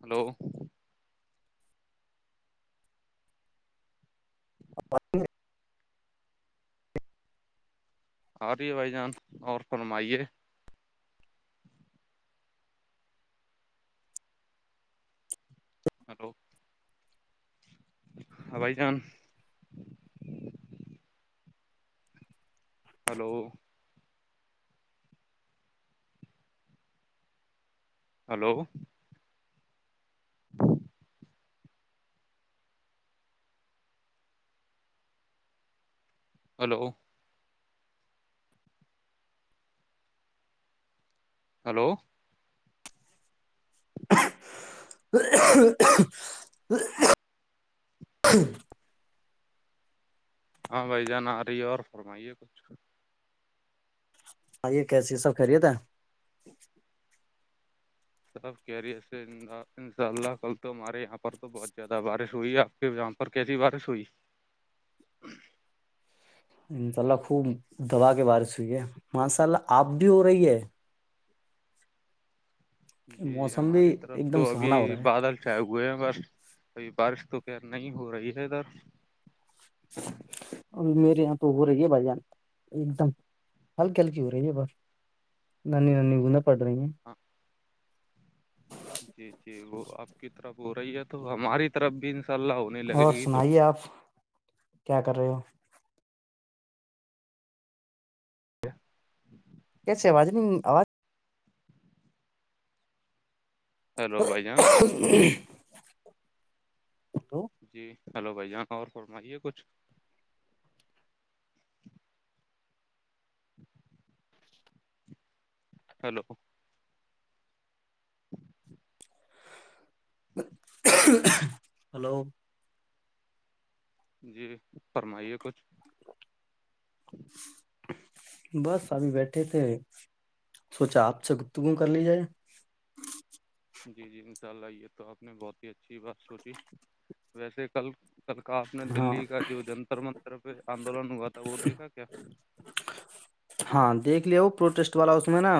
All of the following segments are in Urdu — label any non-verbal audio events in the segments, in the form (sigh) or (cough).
ہلو آ رہی ہے بھائی جان اور فرمائیے ہلو ہاں بھائی جان ہلو ہلو ہ (unintelligible) ہلو ہلو (unintelligible) ہاں بھائی جان آ رہی ہے اور فرمائیے کچھ ک ہاں یہ کیسیے یہ سب خریےد تھا سب کیریر سے ان شاء اللہ کل تو ہمارے یہاں پر تو بہت زیادہ بارش ہوئی ہے آپ کے یہاں پر کیسی بارش ہوئی انشاء اللہ خوب دوبا کے بارش ہوئی ہے ماشاء اللہ آپ بھی ہو رہی ہے جی جی موسم بھی ہماری طرف ایک دم تو ابھی سہانا ہو رہا ہے بادل چائے ہوئے ہیں بس کبھی بارش تو پ نہیں ہو رہی ہے ادھر ابھی میرے یہاں تو ہو رہی ہے بھائی جان ایک دم ہلکی ہلکی ہو رہی ہے بس ن نانی گناہ پڑ رہی ہیں ہاں جی جی وہ آپ کی طرف ہو رہی ہے تو ہماری طرف بھی ان شاء اللہ ہو اور سنائیے آپ کیا کر رہے ہو کیاسے آجاز نہیں آواز ہیلو بھائی جان ہ ہیلو جی ہلو بھیاان ہاں اور فرمائیے کچھ (unintelligible) ہیلو ج ہلو جی فرمائیے کچھ بس ابھی بیٹھے تھے سوچا آپ سے گتگو کر لی جائے جی جی انشاء اللہ یہ یہ تو آپ نے بہت ہی اچھی بات سوچی ویسےل کلکپ نے ہاں دلی کا جو جنتر منت طرفہ آندولن ہوا تھا وہتیے گا کیا ہاں دیکھ لیا ہو پروٹیسٹ والا اس میں نا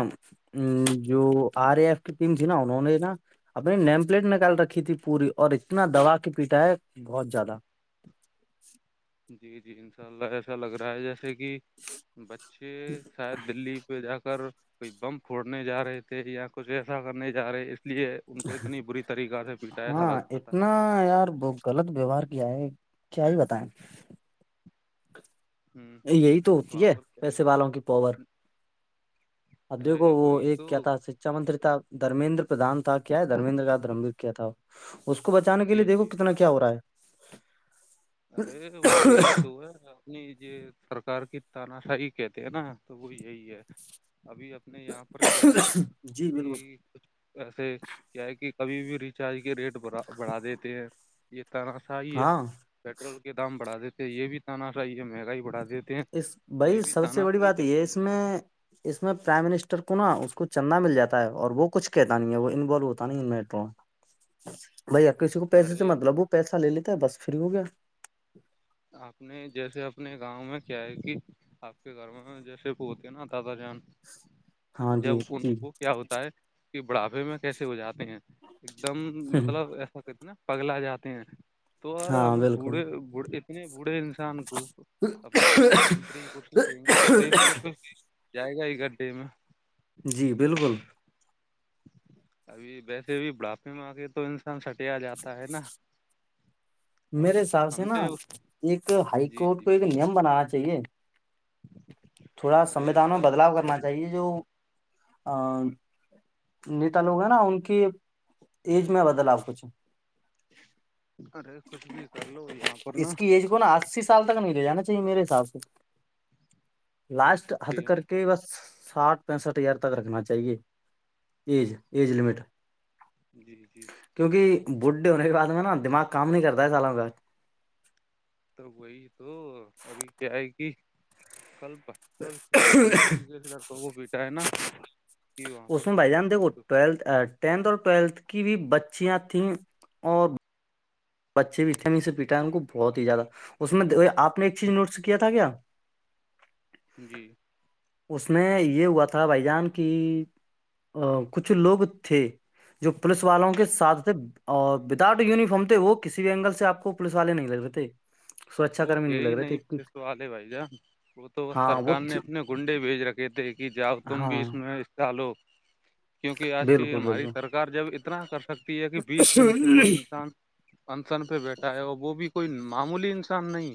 جو آر جی اے ایف تم چ نہا ہونا ہو رہا اپنی نیم پلیٹ نکال رکھی تھی پوری اور اتنا دوبا کی پیٹا ہے بہت زیادہ جی جی ان شاء اللہ ایسا لگ رہا ہے جیسے کہ بچے شاید دلی پہ جا کر کوئی بم پھوڑنے جا رہے تھے یا کچھ ایسا کرنے جا رہے اس لیے ان کو اتنی بری طریقہ سے پیٹا ایسا لگ ہاں رہا تھا اتنا یار ب غلط ویوہار کیا ہے کیا ہی بتائیں ہ یہی تو ہوتی وہاں ہے پر کیا پیسے کہ- والوں کی پاور اب دیکھو ارے وہ وہی ایک کیا تو تھا ا متر تھا دھرمیندر پردان تھا کیا ہے دھرمینندر کا درمب کیا تھا اس کو بچانے کے لیے جی دیکھو جی کتنا کیا ہو رہا ہے ارے وہ یہی تو ہے اپنی یہ سرکار کی تاناشائی کہتے ہیں نا تو وہ یہی ہے ابھی اب یہاں پر کیا ہے جی بالکل یہ کچھ ایسے کیا ہے کہ کبھی بھی ریچارج کے ریٹ بڑا بڑھا دیتے ہیں یہ طرح صاہی ہے ہاں پیٹرول کے دام بڑھا دیتے یہ بھی تاناشاہی ہے مہنگائی بڑھا دیتے ہیں اس یہ بھائی بھی سب سے بڑی تاناشاہی بات چل یہ رہی اس ہے نا میں اس میں پرائم منسٹر کو نا اس کو چندہ مل جاتا ہے اور وہ کچھ کہتا نہیں ہے وہ انوالو ہوتا نہیں میٹرو میں بھیا کسی کو پیسے سے ارے مطلب ہو پیسہ لے لیتا ہے بس فری ہو گیا آپ نے جیسے اپنے گاؤں میں کیا ہے کہ آپ کے گھر میں جیسے پ ہوتے ہیں نا دادا جان ہاں تو جب جی ان جی کو کیا ہوتا ہے کہ بڑھاپے میں کیسے ہو جاتے ہیں ایک دم مطلب ایسا کہتے ہیں نا پگلا جاتے ہیں تو اور ہاں ہم بالکل بوڑھےڑے اپنے بوڑھے انسان کو اپنے پردان منتری کی کوسی دیں گے تو دھ تو پھر جائے گا ہی گڈے میں جی بالکل ابھی ویسے ابھی بڑھاپے میں آ کے تو انسان سٹے آ جاتا ہے نا اور میرے حساب ہم سے نا نے اس ایک ہائی جی کورٹ جی کو ایک نیم بنانا چاہیے تھوڑا ارے سویدھانوں میں سر بدلاؤ کرنا چاہیے جو ا نیتا لوگ ہیں نا ان کے ایج میں بدلاؤ کچھ ارے کچھ بھی کر لو یہاں پر نا اس کی ایج نا اسی سال تک نہیںلےانا چاہیے میرے حساب سے یہ لاسٹ حد بڈھے کر ہیں کے بس ساٹھ پینسٹھ ہزار تک رکھنا چاہیے ایج ایج لمٹ جی جی کیوںکہ بڈ ڈے ہونے کے بعد میں نا دماغ کام نہیں کرتا ہے سالوں کا تو وہی تو ابھی کیا ہے کہ کل سب اتنی بری طریقے سے لڑکوں کو پیٹا ہے نا کہ وہاں اس پر س میں بھ کچھ جان مت دو پوچھو۔ ٹولھ ٹینتھ اور ٹویلتھ کی بھی بچیاں تھیں اور پچے بی سے پیٹا ہے ان کو بہت ہی زیادہ اس میں آپ نے ایک چیز نوٹس کیا تھا کیا جی اس نے یہ ہوا تھا بھائی جان کہ ا کچھ لوگ تھے جو پولیس والوں کے ساتھ تھے اور وداؤٹ یونیفارم تھے وہ کسی بھی اینگل سے آپ کو پوس والے نہیں لگ رہے سرچا وہ کرمی تھے لگ ہی رہے نہیں پ سوال ہے بھائی جان وہ تو ہاں سرک وہ نے اپنے گنڈے بھیج رکھے تھے کہ جاؤ تم ہاں بھی اس میںکالو کیونکہ آج کی بالکل ہماری بالکل سرار جب اتنا کر سکتی ہے کہ بیس دن سے کوئی انسان انسن پہ بیٹھا ہے اور وہ بھی کوئی معمولی انسان نہیں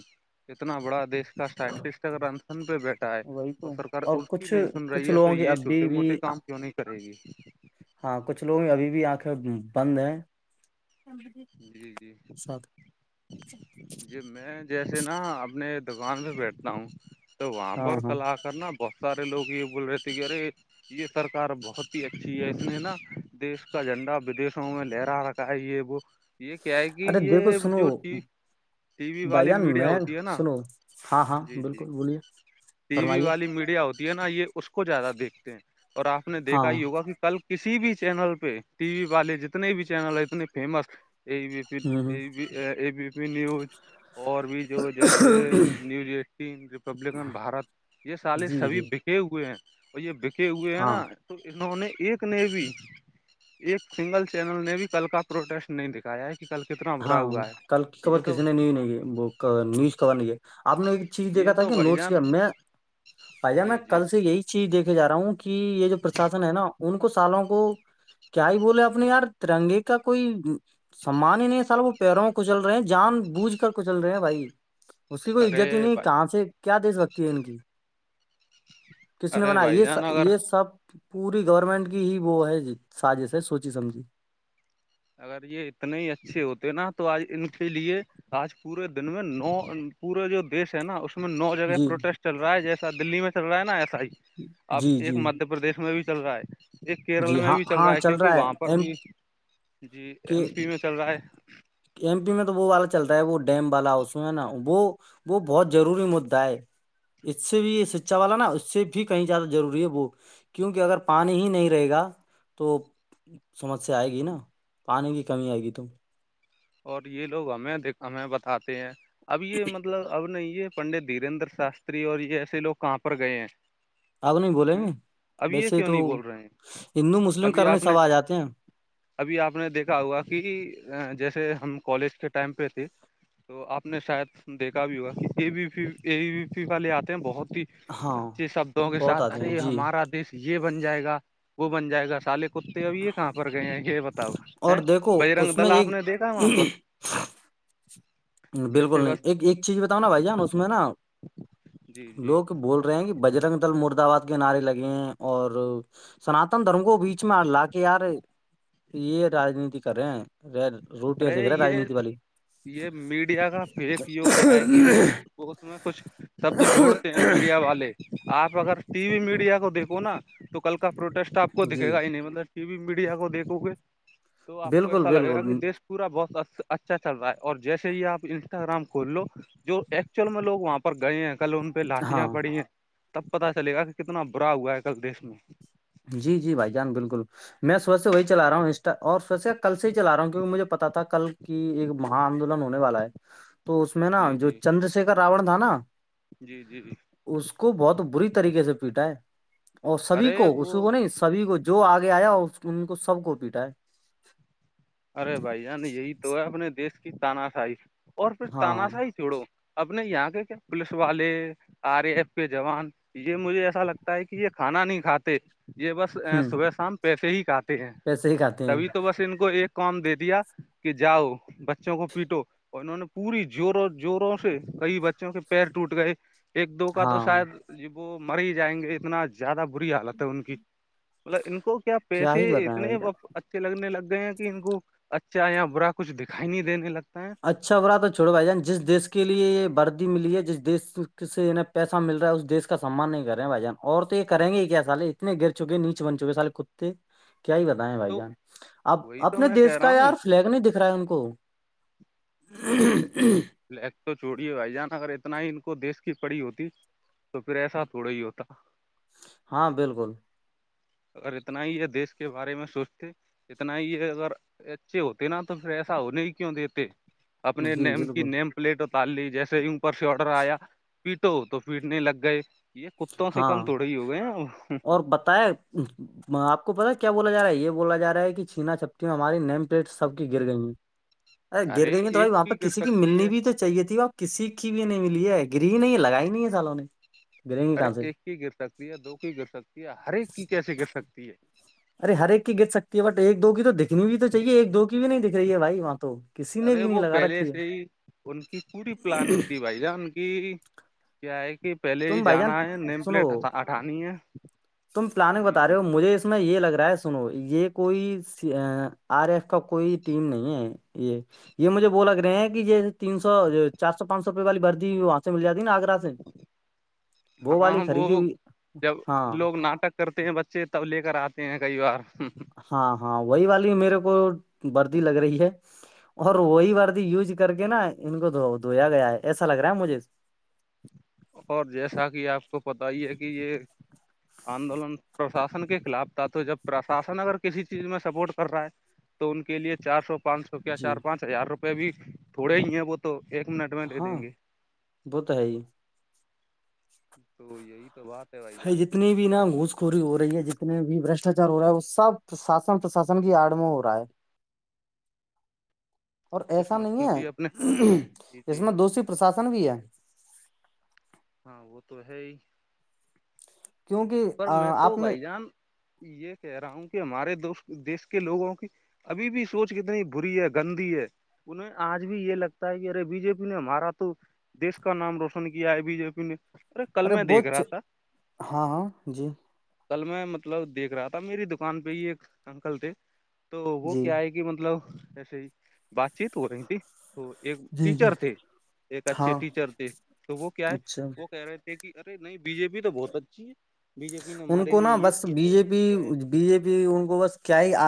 اتنا بڑا دیش سائنٹسٹ اگرن پہ بیٹھا ہے وہی اور تو سرک اس کی کچھ نہیں سن کچھ رہی ہے تو لوگوں کی یہ چھوٹے ابھی بھی موٹے کام کیوں نہیں کرے گی ہاں کچھ لوگ ابھی بھی آنکھیں بند ہیں جی جی ساتھ (unintelligible) جی میں جیسے نا اپنے دکان پہ بیٹھتا ہوں تو وہاں ہاں پر ہاں کلا کرنا بہت سارے لوگ یہ بول رہے تھے کہ ارے یہ سرکار بہت ہی اچھی ہے اس نے نا دیش کا جھنڈا بدشوں میں لہرا رکھا ہے یہ وہ یہ کیا ہے کہ ارے دیکھو یہ سنو جو ٹی وی بھائی والی جان میڈیا میں ہوتی ہے نا سنو ہاں ہاں جی جی بالکل بولیے ٹی وی فرمائیے والی میڈیا ہوتی ہے نا یہ اس کو زیادہ دیکھتے ہیں اور آپ نے ہاں دیکھا ہی ہوگا کہ کل کسی بھی چینل پہ ٹی وی والے جتنے بھی چینل ہے اتنے فیمس یہ پ ہ ا بی پی نیوز اور بھی جو جیسے نیوز ایٹین ریپبلکن بھارت یہ سارے جی سبھی جی بکے ہوئے ہیں اور یہ بکے ہوئے ہیں ہاں نا تو انہوں نے ایک نے بھی ایک سنگل چینل نے بھی کل کا پروٹیسٹ نہیں دیکھا کیا (unintelligible) کل کتر ہاں کل کی خبر کسی نے نی نہیں ہے وہ نیوز خبر نہیں ہے آپ نے ایک چیز یہ دیکھا تھا تو کہ بھائی نوٹس جان کیا میں پائی جپ ن جی جی کل سے یہی چیز دیکھے جا رہا ہوں کہ یہ جو پرشاسن ہے نا ان کو سالوں کو کیا ہی بولے اپنے یار ترنگے کا کوئی سمان ہی نہیں وہ پیروں کچل رہے ہیں جان بوجھ کر کچل رہے ہیں بھائی اس کی کوئی ارے عزت ہی نہیں بھائی کہاں سے کیا دیش بکتی ہے ان کی کس نے ارے بنا بھائی یہ س جان اگر یہ سب پوری گورنمنٹ کی ہی وہ ہے سازش ہے سوچی سمجھی اگر یہ اتنے ہی اچھے ہوتے نا تو آج ان کے لیے آج پورے دن میں نو پورا جو دیش ہے نا اس اس میں نو جگہ جی پروٹیسٹ چل رہا ہے جیسا دہلی میں چ رہا نا ایسا ہی اب جی ایک جی مدھیہ پردیش میں بھی چل رہا ہے ایک کیرل جی میں ہاں بھی چل ہاں رہا ہے کیونکہ وہاں پر ایم بھی جی ایم کے پی میں چل رہا ہے ایم پی میں تو وہ والا چلتا ہے وہ ڈیم والا اس میں نا وہ وہ بہت ضروری مدعا ہے اس سے بھی شکچا والا نا اس سے بھی کہیں زیادہ ضروری ہے وہ کیونکہ اگر پانی ہی نہیں رہے گا تو سمسیا آئے گی نا پانی کی کمی آئے گی تو اور یہ لوگ ہمیں د ہمیں بتاتے ہیں اب یہ مطلب اب نہیں یہ پنڈت دھیریدر شاستری اور یہ ایسے لو کہاں پر گئے ہیں آپ نہیں بولیں گے اب یہ ویسے کیوں تو نہیں بول رہے ہیں ہندو مسلم ابھی کرنے آپ نے سب آ جاتے ہیں ابھی آپ نے دیکھا ہوگا کہ جیسے ہم کالج کے ٹائم پہ تھے تو آپ نے شاید دیکھا بھی ہوگا کہ ا بی پی ای پی والے آتے ہیں بہت ہی ہاں اچے شبدوں کے بہت ساتھ آتے ہیں ارے جی ہمارا دیش یہ بن جائے گا وہ بن جائے گا سالے کتے اب یہ کہاں پر گئے ہیں یہ بتاؤ اور ہے دیکھو بجرنگ اس میں دل آپ ایک نے دیکھا ہے وہاں پر بالکل ویسے نہیں بس ایک ایک چیز بتاؤ نا بھائی جانا اس میں نا جی جی لوگ بول رہیں گی بجرنگ دل مردباد کےنعارے لگے ہیں اور سناتن دھرم کو بیچ میں لا کے یار یہ رجنیتی کرے ہیں ر روٹی ا سے گ ارے را یہ رجنییتی والالی یہ میڈیا کا فیک یوگ کیا ہے کہ وہ میں کچھ سب تو جوڑتے ہیں میڈیا والے آپ اگر ٹی وی میڈیا کو دیکھو نا تو کل کا پروٹیسٹ آپ کو دکھے جی گا ہی نہیں مطلب ٹی وی میڈیا کو دیکھو گے تو آپ کو بالکل ایسا لگے گا بالکل کہ دیش پورا بہت اچھا چل رہا ہے اور جیسے یہ آپ انسٹاگرام کھول لو جو ایکچوئل میں لوگ وہاں پر گئے ہیں کل ان پہ ہاں لاٹیاں پڑی ہیں تب پتا چلے گا کہ کتنا برا ہوا ہے کل دیش میں جی جی بھائی جان بالکل میں سبح سے وہی چلا رہا ہوں اسٹ اور سبح سے کل سے ہی چلا رہا ہوں کیونکہ مجھے پتا تھا کل کی ایک مہ آندولن ہونے والا ہے تو اس میں نا جی جو چندر شیکر راون تھا نا جی جی جی اس کو بہت بری طریقے سے پیٹا ہے اور سبھی ارے کو اس وہ کو نے سبھی کو جو آگے آیا ان کو سب کو پیٹا ہے ارے بھائی جان یہی تو ہے اپنے دیش کی تاناشی اور پھر ہاں تاناشاہی چھوڑو اپنے یہاں کے کیا پلیس والے آر اے ایف کے جوان یہ مجھے ایسا لگتا ہے کہ یہ کھانا نہیں کھاتے یہ بس ہ صبح شام پیسے ہی کاتتے ہیں پیسے ہی کھاتے ہیں تبھی تو بس ان کو ایک کام دے دیا کہ جاؤ بچوں کو پیٹو اور انہوں نے پوری زوروں زوروں سے کئی بچوں کے پیر ٹوٹ گئے ایک دو کا تو ہاں شاید ج وہ مر ہی جائیں گے اتنا زیادہ بری حالت ہے ان کی مطلب ان کو کیا پیسے ہی بتائیں بھائی اتنےچ ا لگنے لگ گئے ہیں کہ ان کو اچھا یا برا کچھ دکھائی نہیں دینے لگتا ہے اچھا ہو رہا تو چھڑو بھائی جان جس دیش کے لیے یہ بردی ملی ہے جس دیش سےا پیسہ مل رہا ہے اس دیش کا سمان نہیں کرے ہیں بھائی جان اور تو یہ کریں گے کیا سالے اتنے گر چکے نیچ بن چکے سالے کتے (inaudible) کیا ہی بتائیں بھائی تو جان اب وہی تو اپنے میں دیش کہہ رہا کا ہوں یار فلگ نہیں دکھ رہا ہے ان کو ہاں ہ (unintelligible) لیک تو چوڑیے بھائی جان اگر اتنا ہی ان کو دیش کی پڑی ہوتی تو پھر ایسا تھوڑا ہی ہوتا ہاں بالکل اگر اتنا ہی یہ دیش کے بارے میں سوچتے اتنا ہی ہے اگر اچھے ہوتے نا تو پھر ایسا ہونے ہی کیوں دیتے اپنے جی نیم کی بالکل نیم پلیٹ ا تال لی جیسے ہی اوپر سے آڈر آیا پیٹو تو پیٹنے لگ گئے یہ کتوں سے کم تھوڑے ہی ہو گئے ن ت (unintelligible) آپ کو پتا کیا بولا جا ہے یہ بولا جا رہا ہے کہ چھییننا چھپتی میں ہماری نیم پلیٹس سب کی گر گئی ہیں ارے گر گئی ہیں تو ایک بھائی وہاں پہ گر کسی کی سکتی ملنی ہے بھی تو چاہے تھی ب کسی کی بھی نہیں ملی ہے گری نہیں لگائی نہیں ہے سالوں نے گریں گی ارے کہاں سے ایک کی گر سکتی ہے دو کی گر سکتی ہے ہر ایک کی کیسے گر سکتی ہے ارے ہر ایک کی گت سکتی ہے بٹ ایک دو کی تو دکھنی بھی تو چاہیے ایک دو کی بھی نہیں دکھ رہی ہے بھائی وہاں تو کسی نے ارے بھی نہیں وہ لگا پہلے رکھی ہے سے ہی ان کی پوری پلاننگ دی بائی جان کی کیا ہے کہ پہلے ہی تم بھائی جان جانا ہے نیم سنو پلیٹ ہٹ ہٹانی ہے تم پلاننگ جی بتا رہے جی ہو مجھے اس میں یہ لگ رہا ہے سنو یہ کوئی آر ایف کا کوئی ٹیم نہیں ہے یہ یہ مجھے ب لگ رہے ہیں کہ یہ (unintelligible) تین سو چار سو پانچ سو روپے والیردی وہاں سے مل جاتی نا آگرہ سے ہاں والی وہ خریدی ہوئی جب ہاں لوگ ناٹک (unintelligible) کرتے ہیں بچے تب لے کر آتے ہیں کئی بار ہاں ہاں وہی والی میرے کو بردی لگ رہی ہے اور وہی وارد یوز کر کے نا ان کو د دھویا گیا ہے ایسا لگ رہا ہے مجے اور جیسا کہ آپ کو پت ہی ہے کہ یہ آندولن پرشاسن کے خلاف تھا تو جب پرشاسن اگر کسی چیز میں سپورٹ کر رہا ہے تو ان کے لیے چار سو (unintelligible) پانچ سو کیا جی چار پانچ ہزار روپئے بھی تھوڑے ہی ہیں وہ تو ایک منٹ میں دے دیں گے بت ہے ہی (unintelligible) تو یہی تو بات ہے بھائی خ ج (unintelligible) جان جتنی بھی نا گھسخوری ہو رہی ہے جتنے بھی برشٹاچار ہو رہا ہے وہ سب شاسن پرشاسن کی آڑ میں ہو رہا ہے (unintelligible) اور کچھ ایسا مت نہیں پوچھیے اپنے ہے جی اس جی میں دوشری پرشاسن بھی ہے ہاں وہ تو ہے ہی کیونکہ پر میں تو آپ نے بھائی جان یہ کہہ رہا ہوں کہ ہمارے دو دیش کے لوگوں کی ابھی بھی سوچ کتنی بری ہے گندی ہے انہیں آج بھی یہ لگتا ہے کہ ارے بی جے پی نے ہمارا تو دیس کا نام روشن کیا ہے بی جے پی نے کل ارے میں دیکھ بہت رہا تھا ہاں ہاں جی کل میں مطلب دیکھ رہا تھا میری دکان پہ ہی ایک انکل تھے تو وہ جی کیا ہے کہ مطلب ایسے ہی بات چیت ہو رہی تھی تو ایک جی جی ٹیچر تھے ایک اچھے ہاں ٹیچر تھے تو وہ کیا ہے اچھا وہ کہہ رہے تھے کہ ارے نہیں بی جے پی تو بہت اچھی ہے بی جے پی نے ان ہمارے کو لیے نا یہ بس کیا بی ہے جے وہ پی کیا ہے بی جے پی ان کو بس کیا ہی